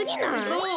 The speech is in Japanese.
そう？